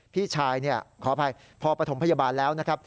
พี่ชายขออภัยพอปฐมพยาบาลแล้วนะครับ